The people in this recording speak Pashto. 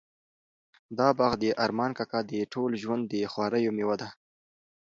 دا باغ د ارمان کاکا د ټول ژوند د خواریو مېوه ده.